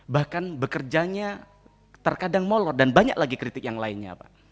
bahkan bekerjanya terkadang molor dan banyak lagi kritik yang lainnya pak